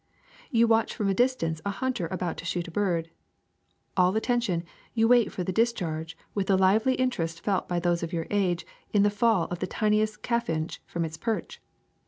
^^You watch from a distance a hunter about to shoot at a bird. All attention, you wait for the dis charge with the lively interest felt by those of your age in the fall of the tiniest chaffinch from its perch.